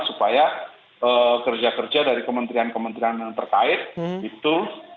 supaya kerja kerja dari kementerian kementerian yang terkait itu